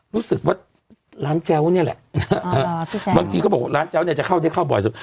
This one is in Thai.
รู้สึกว่าร้านแจ้วเนี่ยแหละบางทีเขาบอกว่าร้านแจ้วเนี่ยจะเข้าได้เข้าบ่อยสุด